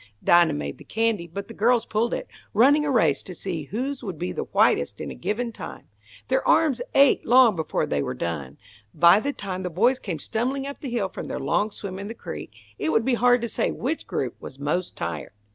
Dinah made the candy, but the girls pulled it, running a race to see whose would be the whitest in a given time. Their arms ached long before they were done. By the time the boys came stumbling up the hill from their long swim in the creek, it would be hard to say which group was most tired.